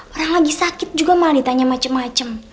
orang lagi sakit juga malah ditanya macem macem